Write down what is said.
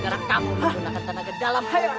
karena kamu menggunakan tenaga dalam air